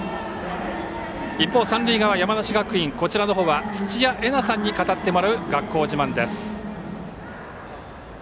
一方、三塁側の山梨学院は土屋慧奈さんに語ってもらう学校自慢です。